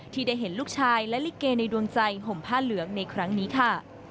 ที่ได้เห็นลูกชายและลิเกในดวงใจห่มผ้าเหลืองในครั้งนี้ค่ะ